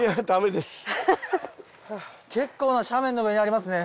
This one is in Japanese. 結構な斜面の上にありますね。